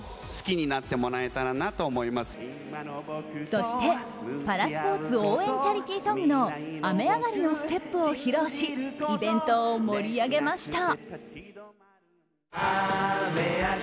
そして、パラスポーツ応援チャリティーソングの「雨あがりのステップ」を披露しイベントを盛り上げました。